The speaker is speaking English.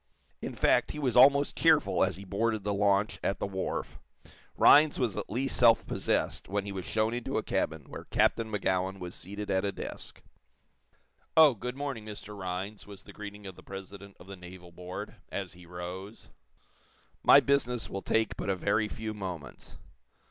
In fact, he was almost cheerful as he boarded the launch at the wharf. Rhinds was at least self possessed when he was shown into a cabin where Captain Magowan was seated at a desk. "Oh, good morning, Mr. Rhinds," was the greeting of the president of the naval board, as he rose. "My business will take but a very few moments.